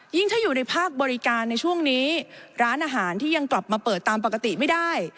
ถ้าอยู่ในภาคบริการในช่วงนี้ร้านอาหารที่ยังกลับมาเปิดตามปกติไม่ได้